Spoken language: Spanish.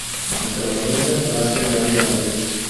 Conservador del Palacio Real de Madrid.